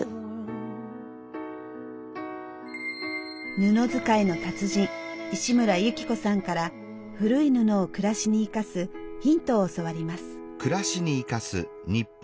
布使いの達人石村由起子さんから古い布を暮らしにいかすヒントを教わります。